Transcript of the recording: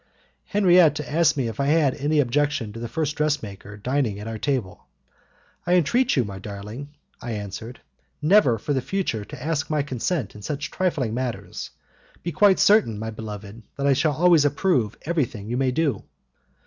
Henriette asked me if I had any objection to the first dressmaker dining at our table. "I entreat you, my darling," I answered, "never, for the future, to ask my consent in such trifling matters. Be quite certain, my beloved, that I shall always approve everything you may do."